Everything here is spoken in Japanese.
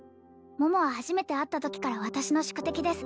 桃は初めて会った時から私の宿敵です